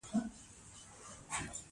د سوداګریزو شخړو حل مرکز شته؟